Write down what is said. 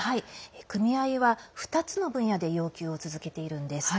組合は２つの分野で要求を続けているんです。